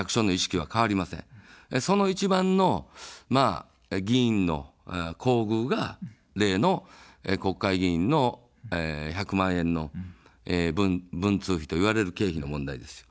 その一番の議員の厚遇が、例の国会議員の１００万円の文通費といわれる経費の問題です。